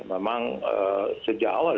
memang sejak awal